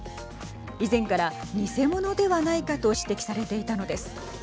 以前から偽物ではないかと指摘されていたのです。